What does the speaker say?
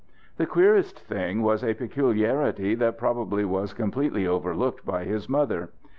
The queerest thing was a peculiarity that probably was completely overlooked by his mother.